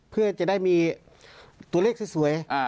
เพื่อจะได้มีตัวเลขสวย